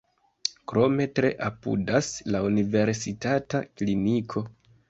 Krome tre apudas la Universitata kliniko.